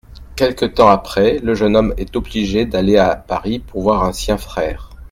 Quelque temps après, le jeune homme est obligé d'aller à Paris voir un sien frère.